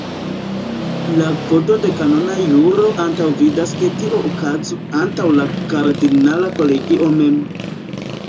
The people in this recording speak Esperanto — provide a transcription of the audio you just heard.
La kodo de kanona juro antaŭvidas ke tio okazu antaŭ la kardinala kolegio mem.